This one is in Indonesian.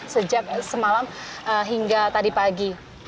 sejak semalam hingga tadi pagi